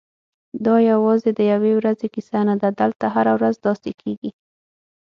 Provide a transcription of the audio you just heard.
دا یوازې د یوې ورځې کیسه نه ده، دلته هره ورځ داسې کېږي.